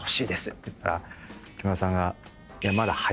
って言ったら木村さんが。